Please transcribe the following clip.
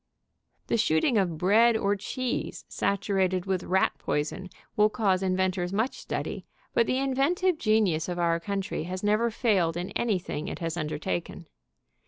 The shooting of bread or cheese saturated with rat poison will cause inventors much study, but the in ventive genius of our country has never failed in anything it has undertaken.